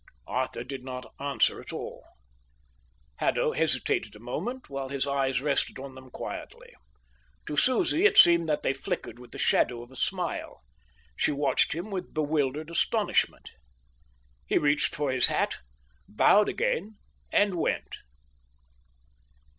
Arthur did not answer at all. Haddo hesitated a moment, while his eyes rested on them quietly. To Susie it seemed that they flickered with the shadow of a smile. She watched him with bewildered astonishment. He reached for his hat, bowed again, and went.